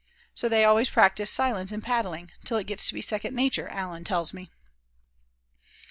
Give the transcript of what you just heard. So they always practice silence in paddling, till it gets to be second nature, Allan tells me."